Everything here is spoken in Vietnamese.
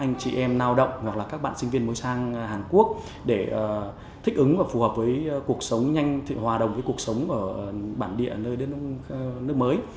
hoặc là các bạn sinh viên mới sang hàn quốc để thích ứng và phù hợp với cuộc sống nhanh hòa đồng với cuộc sống ở bản địa nơi nước mới